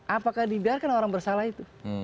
apakah dibiarkan orang bersalah itu